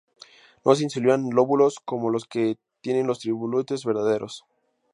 No se insinúan lóbulos como los que tienen los trilobites verdaderos.